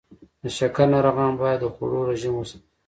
د شکر ناروغان باید د خوړو رژیم وساتي.